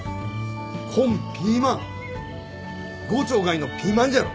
こんピーマン郷長がいのピーマンじゃろ！？